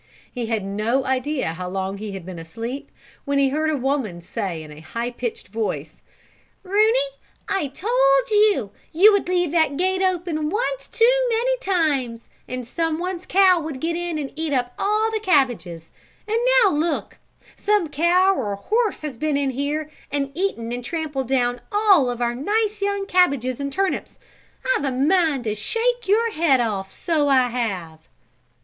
He had no idea how long he had been asleep when he heard a woman say, in a high pitched voice: "Rooney, I told you, you would leave that gate open once too many times and some one's cow would get in and eat up all the cabbages; and now look, some cow or horse has been in here and eaten and trampled down all of our nice young cabbages and turnips. I've a mind to shake your head off, so I have!"